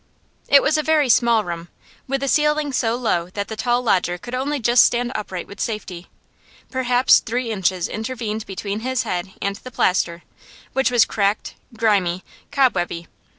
It was a very small room, with a ceiling so low that the tall lodger could only just stand upright with safety; perhaps three inches intervened between his head and the plaster, which was cracked, grimy, cobwebby.